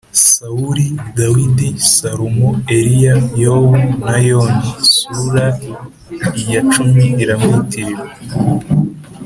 sawuli, dawidi, salomo, eliya, yobu na yona (sura ya cumi iramwitirirwa)